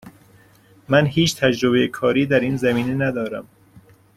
من هیچ تجربه کاری در این زمینه ندارم.